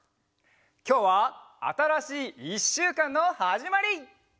きょうはあたらしいいっしゅうかんのはじまり！